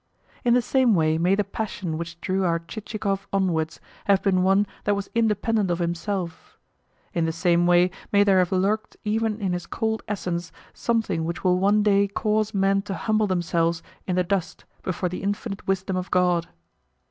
In the same way may the passion which drew our Chichikov onwards have been one that was independent of himself; in the same way may there have lurked even in his cold essence something which will one day cause men to humble themselves in the dust before the infinite wisdom of God.